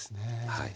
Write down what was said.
はい。